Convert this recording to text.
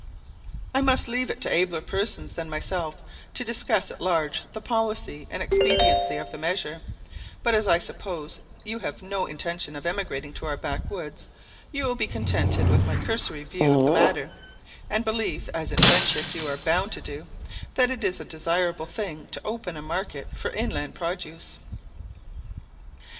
I must leave it to abler persons than myself to discuss at large the policy and expediency of the measure; but as I suppose you have no intention of emigrating to our backwoods, you will be contented with my cursory view of the matter, and believe, as in friendship you are bound to do, that it is a desirable thing to open a market for inland produce.